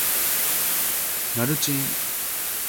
路上行人欲斷魂